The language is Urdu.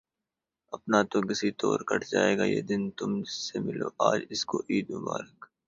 اپنا تو کسی طور کٹ جائے گا یہ دن، تم جس سے ملو آج اس کو عید مبارک